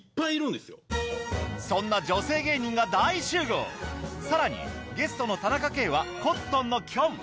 そんな女性芸人が大集合さらにゲストの田中圭はコットンのきょん